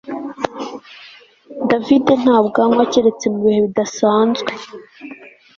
David ntabwo anywa keretse mu bihe bidasanzwe